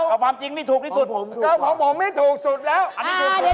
ของผมนี่ถูกที่สุดแต่ของผมไม่ถูกสุดแล้วอันนี้ถูก